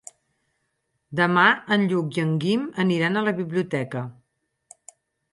Demà en Lluc i en Guim aniran a la biblioteca.